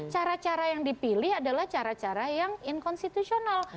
cara cara yang dipilih adalah cara cara yang inkonstitusional